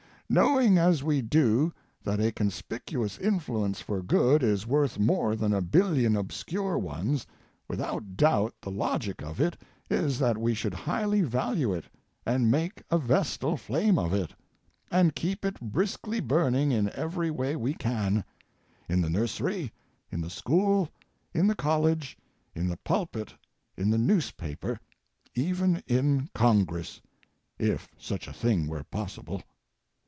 Knowing, as we do, that a con spicuous influence for good is worth more than a billion obscure ones, without doubt the logic of it is that we should highly value it, and make a vestal flame of it, and keep it briskly burning in every way we can — in the nursery, in the school, in the college, in the pulpit, in the newspaper — even in Congress, if such a thing were possible.